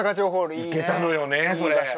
行けたのよねそれ。